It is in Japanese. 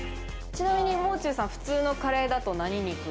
ちなみにもう中さん、普通のカレーだと何肉？